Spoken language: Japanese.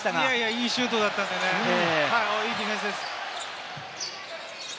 いいシュートでしたけれどもね、いいディフェンスです。